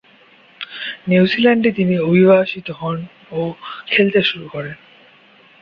নিউজিল্যান্ডে তিনি অভিবাসিত হন ও খেলতে শুরু করেন।